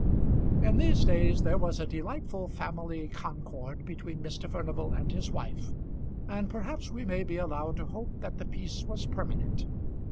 In these days there was a delightful family concord between Mr. Furnival and his wife, and perhaps we may be allowed to hope that the peace was permanent.